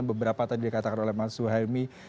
beberapa tadi dikatakan oleh mas suhaimi